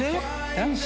男子？